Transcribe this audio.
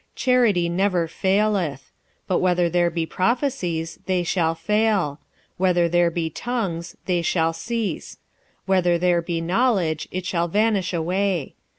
46:013:008 Charity never faileth: but whether there be prophecies, they shall fail; whether there be tongues, they shall cease; whether there be knowledge, it shall vanish away.